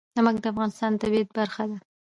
نمک د افغانستان د طبیعت برخه ده.